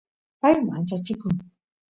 pay manchachikun